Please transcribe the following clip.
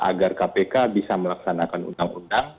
agar kpk bisa melaksanakan undang undang